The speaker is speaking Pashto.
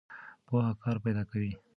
پوهه کار پیدا کوي.